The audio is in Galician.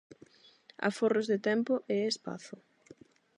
Aforros de tempo e espazo.